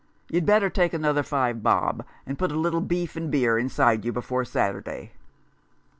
You'd better take another five bob, and put a little beef and beer inside you before Saturday."